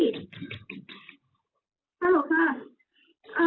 สำหรับลูกค้า